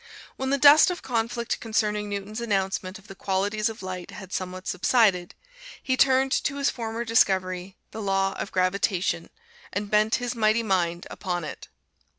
When the dust of conflict concerning Newton's announcement of the qualities of light had somewhat subsided, he turned to his former discovery, the Law of Gravitation, and bent his mighty mind upon it.